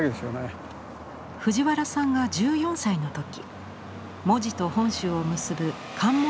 藤原さんが１４歳の時門司と本州を結ぶ関門